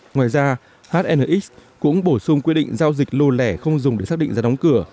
ngoài ra hnx cũng bổ sung quy định giao dịch lô lẻ không dùng để xác định giá đóng cửa